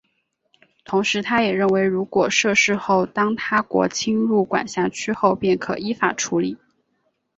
同时他也认为如果设市后当他国侵入管辖区后便可依法处理。